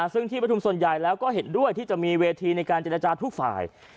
ซึ่งที่ประชุมส่วนใหญ่แล้วก็เห็นด้วยที่จะมีเวทีในการเจรจาทุกฝ่าย